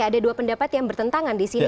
ada dua pendapat yang bertentangan disini